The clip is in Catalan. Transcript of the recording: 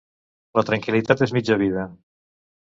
La tranquil·litat és mitja vida.